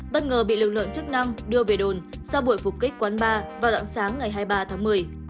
bất ngờ bị lực lượng chức năng đưa về đồn sau buổi phục kích quán bar vào dạng sáng ngày hai mươi ba tháng một mươi